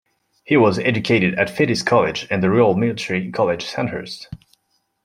He was educated at Fettes College and the Royal Military College, Sandhurst.